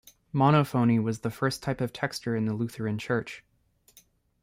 Monophony was the first type of texture in the Lutheran Church.